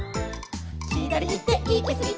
「ひだりいっていきすぎてはっ」